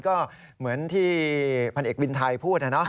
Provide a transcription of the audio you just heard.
ก็เหมือนที่พันเอกวินไทยพูดนะ